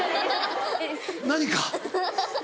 何か？